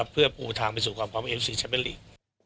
เพื่อปูทางไปสู่ความเอฟซีแชมป์เจอร์ลีก